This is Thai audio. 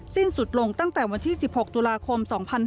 สิ้นสุดลงตั้งแต่วันที่๑๖ตุลาคม๒๕๕๙